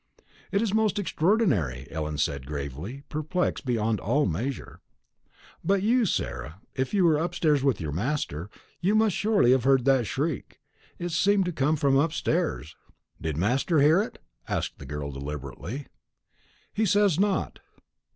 "It is most extraordinary," Ellen said gravely, perplexed beyond all measure. "But you, Sarah; if you were upstairs with your master, you must surely have heard that shriek; it seemed to come from upstairs." "Did master hear it?" asked the girl deliberately. "He says not."